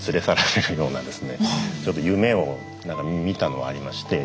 ちょっと夢をみたのはありまして。